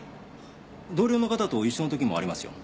同僚の方と一緒のときもありますよ。